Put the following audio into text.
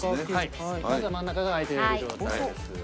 まずは真ん中が開いている状態です。